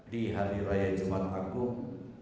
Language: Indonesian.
di hari raya jumat agung